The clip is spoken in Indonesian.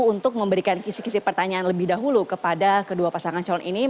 untuk memberikan kisi kisih pertanyaan lebih dahulu kepada kedua pasangan calon ini